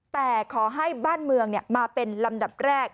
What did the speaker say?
แต่ขอให้บ้านเมืองมาเป็นลำดับแรก